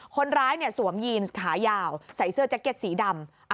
คนร้ายสวมยีนขายาวใส่เสื้อแจ๊กเก็ตสีดำ